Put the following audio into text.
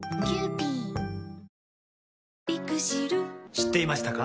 知っていましたか？